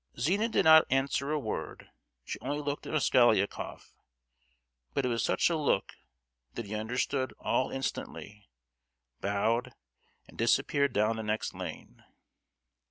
Zina did not answer a word; she only looked at Mosgliakoff; but it was such a look that he understood all instantly, bowed, and disappeared down the next lane.